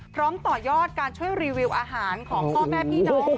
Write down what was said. ต่อยอดการช่วยรีวิวอาหารของพ่อแม่พี่น้อง